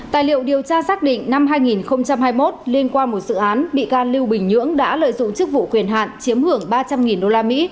tài liệu điều tra xác định năm hai nghìn hai mươi một liên quan một dự án bị can lưu bình nhưỡng đã lợi dụng chức vụ quyền hạn chiếm hưởng ba trăm linh usd